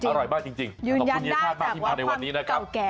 ยืนยันได้จากวันเก่าแก่๙๐ปีค่ะขอบคุณเฮียชัดมาที่มาในวันนี้นะครับ